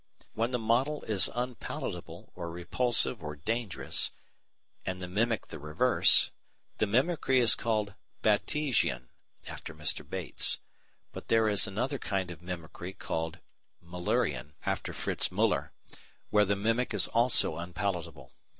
When the model is unpalatable or repulsive or dangerous, and the mimic the reverse, the mimicry is called "Batesian" (after Mr. Bates), but there is another kind of mimicry called Müllerian (after Fritz Müller) where the mimic is also unpalatable.